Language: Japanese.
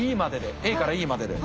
ＡからＥまでで。